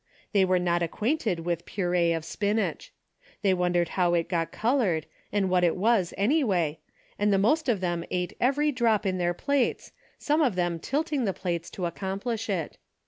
They were not acquainted with puree of spinach. They won dered how it got colored, and what it was anyway, and the most of them ate every drop in their plates, some of them tilting the plates to accomplish it.